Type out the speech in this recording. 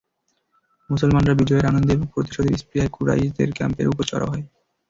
মুসলমানরা বিজয়ের আনন্দে এবং প্রতিশোধের স্পৃহায় কুরাইশদের ক্যাম্পের উপর চড়াও হয়।